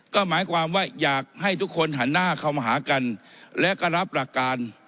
ก็หมายความว่าอยากให้ทุกคนหันหน้าเข้ามาหากันและก็รับหลักการ